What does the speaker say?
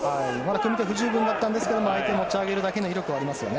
組み手は不十分だったんですが相手を持ち上げるだけの威力はありますよね。